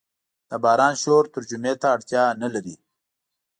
د باران شور ترجمې ته اړتیا نه لري.